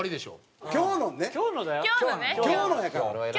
今日のね。